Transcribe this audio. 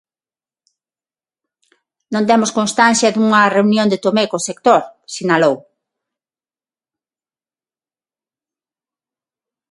"Non temos constancia dunha reunión de Tomé co sector", sinalou.